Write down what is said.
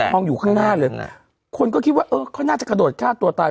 องอยู่ข้างหน้าเลยคนก็คิดว่าเออเขาน่าจะกระโดดฆ่าตัวตาย